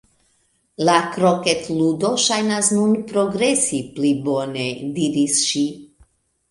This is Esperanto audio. "La kroketludo ŝajnas nun progresi pli bone," diris ŝi.